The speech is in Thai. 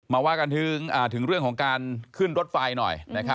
มาว่ากันถึงเรื่องของการขึ้นรถไฟหน่อย